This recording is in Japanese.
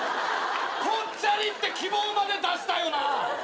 ぽっちゃりって希望まで出したよな？